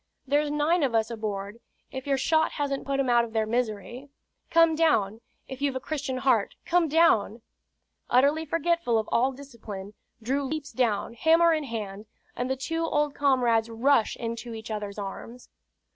There's nine of us aboard, if your shot hasn't put 'em out of their misery. Come down if you've a Christian heart, come down!" Utterly forgetful of all discipline, Drew leaps down, hammer in hand, and the two old comrades rush into each other's arms.